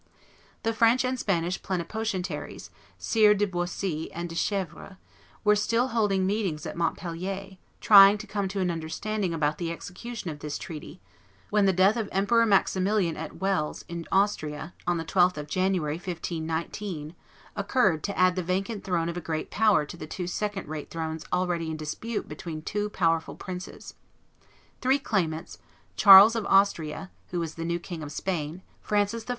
The French and Spanish plenipotentiaries, Sires de Boisy and de Chievres, were still holding meetings at Montpellier, trying to come to an understanding about the execution of this treaty, when the death of Emperor Maximilian at Wels, in Austria, on the 12th of January, 1519, occurred to add the vacant throne of a great power to the two second rate thrones already in dispute between two powerful princes. Three claimants, Charles of Austria, who was the new King of Spain, Francis I.